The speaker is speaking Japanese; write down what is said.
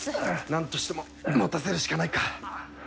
何としても持たせるしかないか。